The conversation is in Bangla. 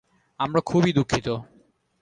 আমরা খুবই দুঃখিত।